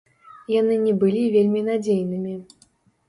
Яны не былі вельмі надзейнымі.